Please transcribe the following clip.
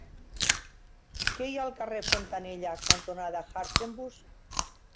Què hi ha al carrer Fontanella cantonada Hartzenbusch?